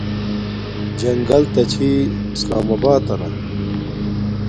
جنگل تا چھی سلام اباتنا